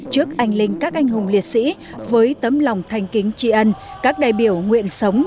trước anh linh các anh hùng liệt sĩ với tấm lòng thanh kính tri ân các đại biểu nguyện sống